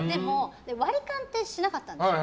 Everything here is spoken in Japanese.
割り勘ってしなかったんですよ。